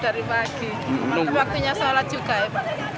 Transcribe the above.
dari pagi waktunya sholat juga ya pak